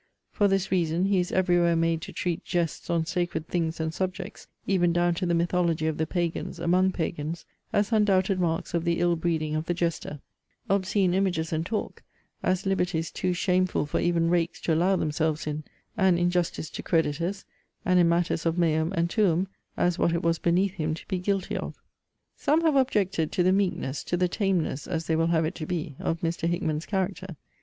For this reason he is every where made to treat jests on sacred things and subjects, even down to the mythology of the Pagans, among Pagans, as undoubted marks of the ill breeding of the jester; obscene images and talk, as liberties too shameful for even rakes to allow themselves in; and injustice to creditors, and in matters of Meum and Tuum, as what it was beneath him to be guilty of. Some have objected to the meekness, to the tameness, as they will have it to be, of Mr. Hickman's character.